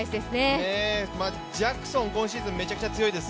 ジャクソン、今シーズンめちゃくちゃ強いです。